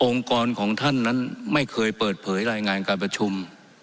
กรของท่านนั้นไม่เคยเปิดเผยรายงานการประชุม